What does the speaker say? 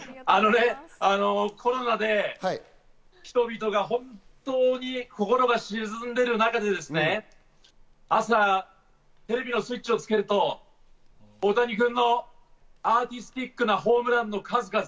コロナで人々の心が沈んでいる中で朝、テレビのスイッチをつけると大谷君のアーティスティックなホームランの数々。